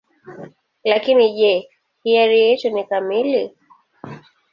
Lakini je, hiari yetu ni kamili?